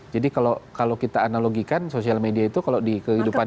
jadi kalau kita analogikan social media itu kalau di kehidupan